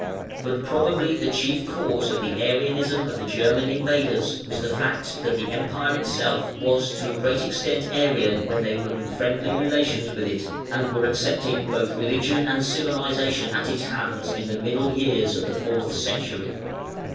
But probably the chief cause of the Arianism of the German invaders was the fact that the Empire itself was to a great extent Arian when they were in friendly relations with it, and were accepting both religion and civilisation at its hands, in the middle years of the fourth century.